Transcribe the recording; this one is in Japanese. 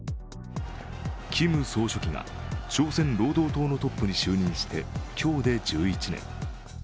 キム総書記が朝鮮労働党のトップに就任して、今日で１１年。